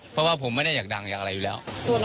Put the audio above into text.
เพราะว่าผมไม่ได้อยากดังอยากอะไรอยู่แล้ว